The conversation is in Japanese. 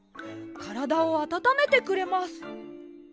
からだをあたためてくれます。